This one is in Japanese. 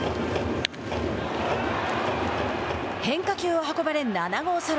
変化球を運ばれ、７号ソロ。